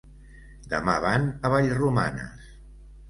Demà van a Vallromanes.